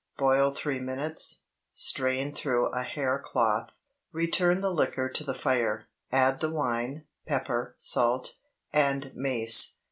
Boil three minutes, strain through a hair cloth; return the liquor to the fire, add the wine, pepper, salt, and mace.